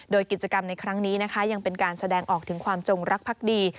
โดยกิจกรรมในครั้งนี้นะคะยังเป็นการแสดงออกถึงความจงรักพักดี